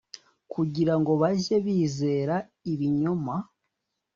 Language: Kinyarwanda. Kugira ngo bajye bizera ibinyoma